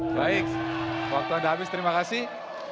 baik waktu anda habis terima kasih